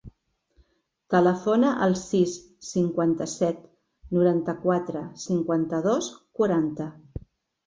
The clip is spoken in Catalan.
Telefona al sis, cinquanta-set, noranta-quatre, cinquanta-dos, quaranta.